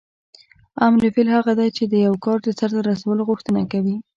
امر فعل هغه دی چې د یو کار د سرته رسولو غوښتنه کوي.